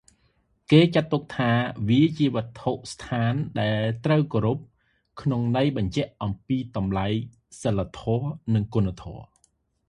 គេចាត់ទុកថា វាជាវត្ថុស្ថានដែលត្រូវគោរព ក្នុងន័យបញ្ជាក់អំពីតម្លៃសីលធម៌ និងគុណធម៌។